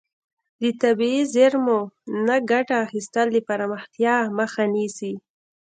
د طبیعي زیرمو نه ګټه اخیستل د پرمختیا مخه نیسي.